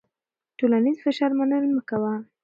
د ټولنیز فشار منل مه کوه.